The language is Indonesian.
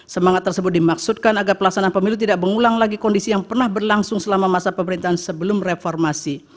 semangat tersebut dimaksudkan agar pelaksanaan pemilu tidak mengulang lagi kondisi yang pernah berlangsung selama masa pemerintahan sebelum reformasi